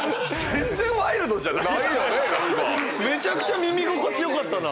めちゃくちゃ耳心地よかったな。